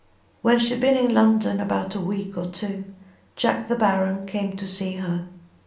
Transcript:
When she had been in London about a week or two Jack De Baron came to see her.